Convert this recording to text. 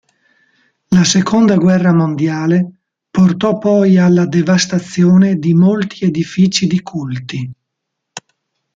La Seconda guerra mondiale portò poi alla devastazione di molti edifici di culti.